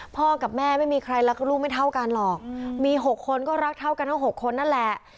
พ่อกับแม่ไม่มีใครรักลูกไม่เท่ากันหรอกมี๖คนก็รักเท่ากันทั้ง๖คนนั่นแหละ